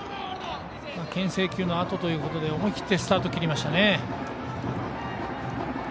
けん制球のあとということで思い切ってスタートきりましたね。